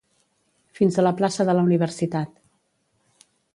Fins a la plaça de la Universitat.